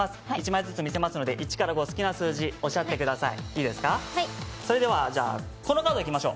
１枚ずつ見せますので１から５好きな数字おっしゃってください。